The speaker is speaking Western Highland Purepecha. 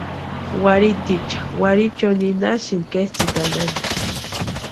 Warhitiicha warhichio ninhasïnti ketsʼïtanhani.